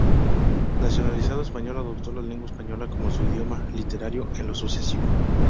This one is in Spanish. Nacionalizado español, adoptó la lengua española como su idioma literario en lo sucesivo.